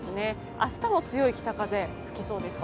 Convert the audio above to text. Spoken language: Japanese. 明日も強い北風吹きそうですか？